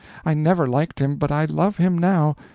I never liked him, but I love him now.